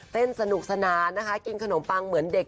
เต้นสนุกสนานกินขนมปังเหมือนเด็ก